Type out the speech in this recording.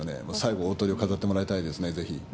もう最後、大トリを飾ってもらいたいですね、ぜひ。